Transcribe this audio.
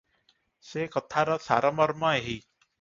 ସେ କଥାର ସାରମର୍ମ ଏହି -